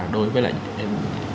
đối với chiến sĩ công an nhân dân